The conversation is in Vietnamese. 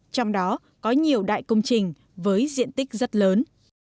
trong đó có nhiều đại công trình với diện tích rất lớn